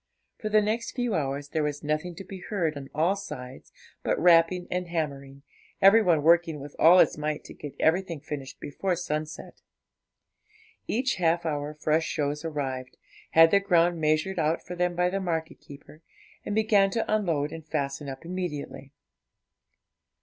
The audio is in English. For the next few hours there was nothing to be heard on all sides but rapping and hammering, every one working with all his might to get everything finished before sunset. Each half hour fresh shows arrived, had their ground measured out for them by the market keeper, and began to unload and fasten up immediately.